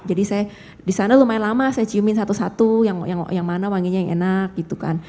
jadi saya disana lumayan lama saya ciumin satu satu yang mana wanginya yang enak gitu kan